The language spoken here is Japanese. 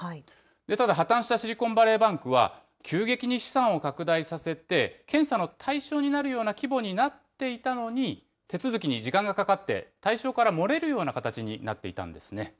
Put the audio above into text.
ただ破綻したシリコンバレーバンクは、急激に資産を拡大させて、検査の対象になるような規模になっていたのに、手続きに時間がかかって、対象から漏れるような形になっていたんですね。